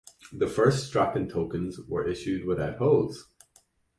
The first Strachan tokens were issued without holes.